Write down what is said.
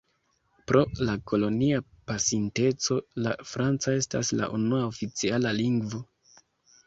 Pro la kolonia pasinteco la franca estas la unua oficiala lingvo.